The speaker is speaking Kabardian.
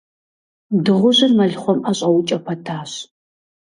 Дыгъужьыр мэлыхъуэм ӀэщӀэукӀэ пэтащ.